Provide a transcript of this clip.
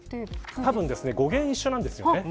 多分、語源一緒なんですよね。